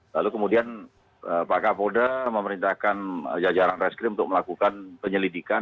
lalu kemudian pak kapolda memerintahkan jajaran reskrim untuk melakukan penyelidikan